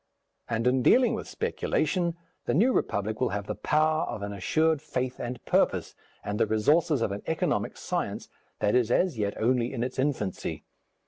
And, in dealing with speculation, the New Republic will have the power of an assured faith and purpose, and the resources of an economic science that is as yet only in its infancy.